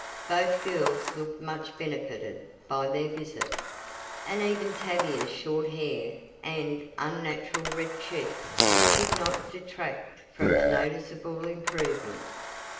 Both girls looked much benefited by their visit, and even Tavia's short hair and unnatural red cheeks did not detract from the noticeable improvement.